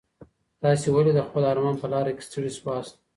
تاسي ولي د خپل ارمان په لاره کي ستړي سواست؟